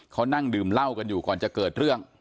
เขานั่งดื่มเหล้ากันอยู่ก่อนจะเกิดเรื่อง